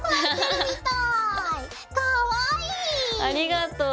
ありがとう。